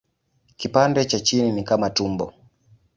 Kipande cha chini ni kama tumbo.